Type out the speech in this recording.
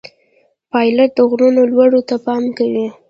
پیلوټ د غرونو لوړو ته پام کوي.